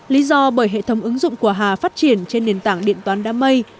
lý do bởi hệ thống ứng dụng của hà phát triển trên nền tảng điện toán đám mây